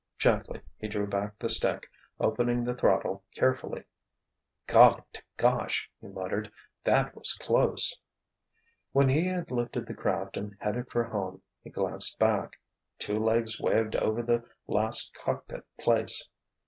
Gently he drew back the stick, opening the throttle carefully. "Golly to gosh!" he muttered, "that was close——" When he had lifted the craft and headed for home, he glanced back. Two legs waved over the last cockpit place.